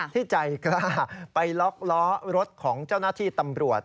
ที่ใจกล้าไปล็อกล้อรถของเจ้าหน้าที่ตำรวจ